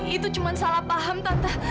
itu cuma salah paham tata